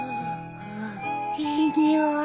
いい匂い。